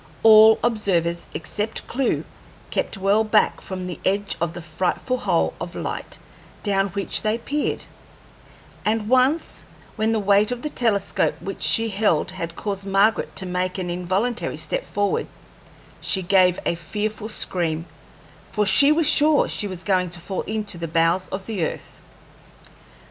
All observers except Clewe kept well back from the edge of the frightful hole of light down which they peered; and once, when the weight of the telescope which she held had caused Margaret to make an involuntary step forward, she gave a fearful scream, for she was sure she was going to fall into the bowels of the earth.